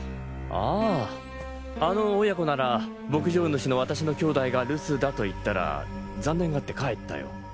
あああの親子なら牧場主の私の兄弟が留守だと言ったら残念がって帰ったよ。